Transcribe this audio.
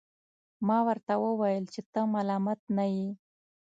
ما ورته وویل چي ته ملامت نه یې.